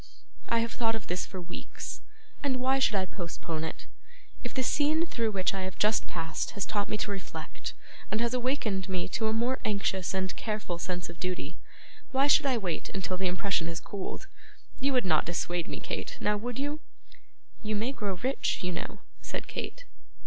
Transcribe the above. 'I have thought of this for weeks, and why should I postpone it? If the scene through which I have just passed has taught me to reflect, and has awakened me to a more anxious and careful sense of duty, why should I wait until the impression has cooled? You would not dissuade me, Kate; now would you?' 'You may grow rich, you know,' said Kate.